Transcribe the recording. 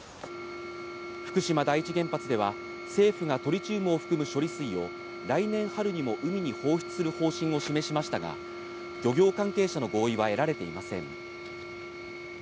福島第一原発では精度がトリチウムを含む処理水を来年春にも海に放出する方針を示しましたが、漁業関係者の合意は得られていません。